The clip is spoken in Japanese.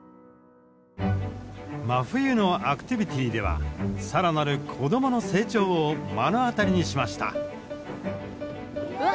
真冬のアクティビティーでは更なる子供の成長を目の当たりにしました。